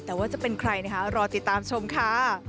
แต่ว่าจะเป็นใครนะคะรอติดตามชมค่ะ